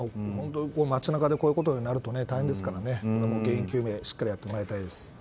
街中でこういうことになると大変ですから原因究明をしっかりやってもらいたいです。